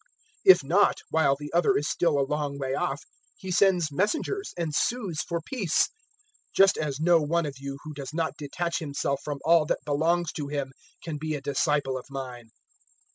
014:032 If not, while the other is still a long way off, he sends messengers and sues for peace. 014:033 Just as no one of you who does not detach himself from all that belongs to him can be a disciple of mine.